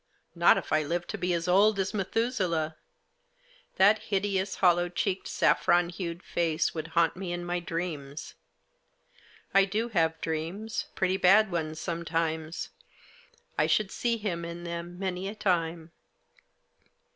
Not if I lived to be as old as Methusaleh. That hideous, hollow cheeked, saffron hued face would haunt me in my dreams. I do have dreams, pretty bad ones sometimes. I should see him in them many a time.